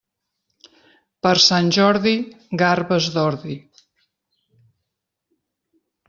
Per Sant Jordi, garbes d'ordi.